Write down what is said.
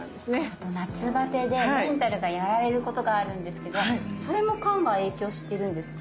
あと夏バテでメンタルがやられることがあるんですけどそれも肝が影響してるんですか？